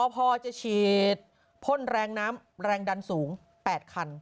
พอจะฉีดพ่นแรงน้ำแรงดันสูง๘คัน